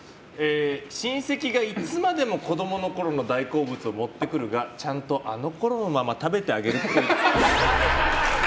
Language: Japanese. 親戚がいつまでも子供のころの大好物を持ってくるがちゃんとあのころのまま食べてあげるっぽい。